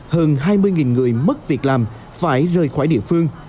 hơn hai mươi người mất việc làm phải rời khỏi địa phương